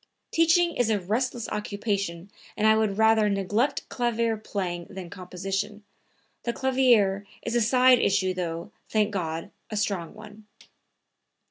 Teaching is a restless occupation and I would rather neglect clavier playing than composition; the clavier is a side issue, though, thank God, a strong one."